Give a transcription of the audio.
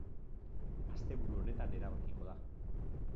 Asteburu honetan erabakiko da.